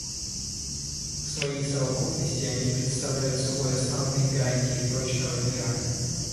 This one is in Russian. В своей совокупности они представляют собой основные гарантии прочного мира.